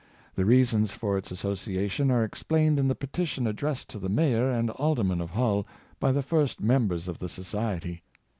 The reasons for its as sociation are explained in the petition addressed to the mayor and aldermen of Hull by the first members of the society.